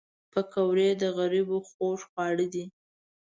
پکورې د غریبو خوږ خواړه دي